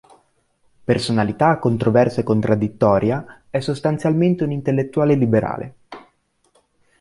Personalità controversa e contraddittoria, è sostanzialmente un intellettuale liberale.